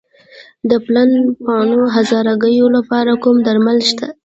د پلن پاڼو هرزه ګیاوو لپاره کوم درمل شته؟